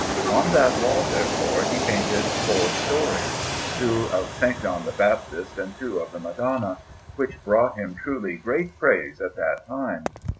On that wall, therefore, he painted four stories two of S. John the Baptist and two of the Madonna which brought him truly great praise at that time.